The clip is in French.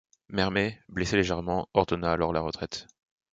Mermet, blessé légèrement, ordonna alors la retraite.